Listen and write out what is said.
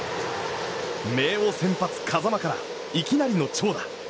明桜・先発風間からいきなりの長打。